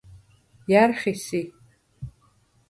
ჲა̈რ ხი სი?